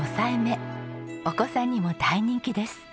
お子さんにも大人気です。